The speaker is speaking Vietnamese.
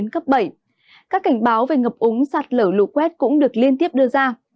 các cảnh báo về ngập úng sạt lở lũ quét cũng được liên tiếp đưa ra